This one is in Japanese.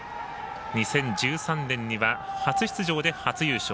２０１３年には初出場で初優勝。